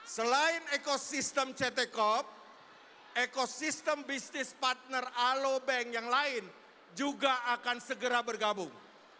selain ekosistem ct corp ekosistem bisnis partner alobank yang lain juga akan segera bergabung